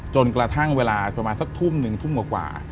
จนกระทั่งเวลาประมาณสักทุ่มหนึ่งทุ่มกว่า